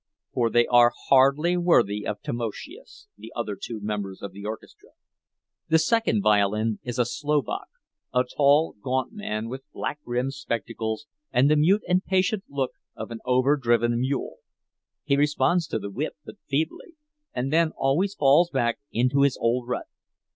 For they are hardly worthy of Tamoszius, the other two members of the orchestra. The second violin is a Slovak, a tall, gaunt man with black rimmed spectacles and the mute and patient look of an overdriven mule; he responds to the whip but feebly, and then always falls back into his old rut.